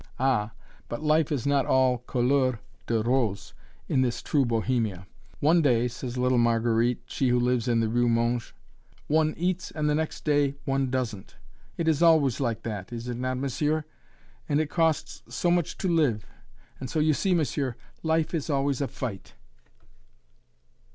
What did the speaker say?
Ah! but life is not all "couleur de rose" in this true Bohemia. "One day," says little Marguerite (she who lives in the rue Monge), "one eats and the next day one doesn't. It is always like that, is it not, monsieur? and it costs so much to live, and so you see, monsieur, life is always a fight."